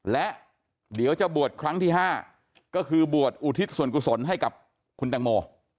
และเดี๋ยวจะบวชครั้งที่๕ก็คือบวชอุทิศส่วนกุศลให้กับคุณตังโม